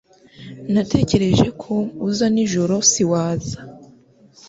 Natekereje ko uza nijoro siwaza.